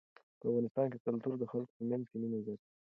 په افغانستان کې کلتور د خلکو په منځ کې مینه زیاتوي.